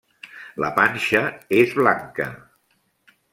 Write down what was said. La panxa és blanca.